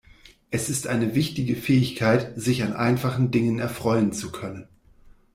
Es ist eine wichtige Fähigkeit, sich an einfachen Dingen erfreuen zu können.